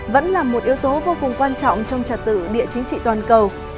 vẫn là một yếu tố vô cùng quan trọng trong trật tự địa chính trị toàn cầu